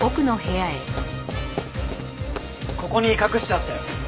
ここに隠してあったよ。